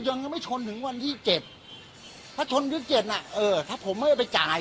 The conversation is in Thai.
ยังไม่ชนถึงวันที่เจ็ดถ้าชนที่เจ็ดน่ะเออถ้าผมไม่ได้ไปจ่าย